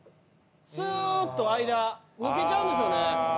すっと間抜けちゃうんですよね。